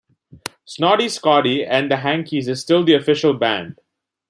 Snotty Scotty and the Hankies is still the official band.